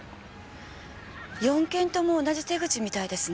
４件とも同じ手口みたいですね。